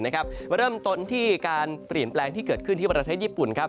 มาเริ่มต้นที่การเปลี่ยนแปลงที่เกิดขึ้นที่ประเทศญี่ปุ่นครับ